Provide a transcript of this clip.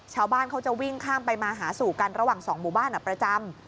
ชาวบ้านเขาจะวิ่งข้ามไปมาหาสู่กันระหว่างสองหมู่บ้านประจำ